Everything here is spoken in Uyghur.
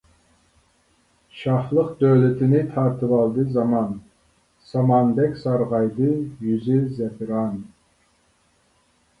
شاھلىق دۆلىتىنى تارتىۋالدى زامان، ساماندەك سارغايدى يۈزى زەپىران.